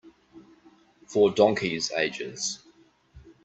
For donkeys' ages.